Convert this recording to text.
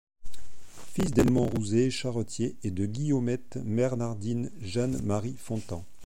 Fils d'Edmond Rouzé, charretier et de Guillaumette Bernardine Jeanne Marie Fontan.